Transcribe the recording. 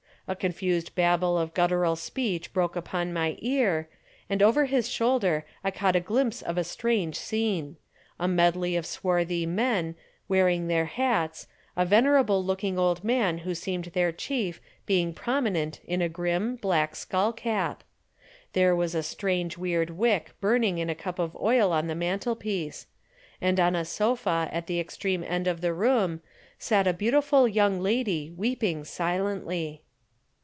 A confused babble of guttural speech broke upon my ear, and over his shoulder I caught a glimpse of a strange scene a medley of swarthy men, wearing their hats, a venerable looking old man who seemed their chief being prominent in a grim, black skull cap; there was a strange weird wick burning in a cup of oil on the mantelpiece, and on a sofa at the extreme end of the room sat a beautiful young lady weeping silently.